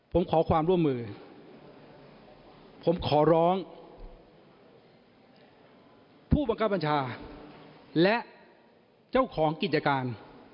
ผมขอความร่วมมือผมขอร้องผู้บังคับบัญชาและเจ้าของกิจการ